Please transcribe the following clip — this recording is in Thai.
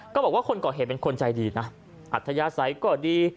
บอกว่าคนก่อเหตุเป็นคนใจดีนะอัธยาศัยก็ดี